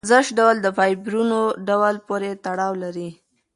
د ورزش ډول د فایبرونو ډول پورې تړاو لري.